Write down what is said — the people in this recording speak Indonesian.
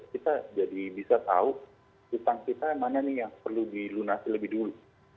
kita jadi bisa tahu utang kita mana nih yang perlu dilunasi lebih dulu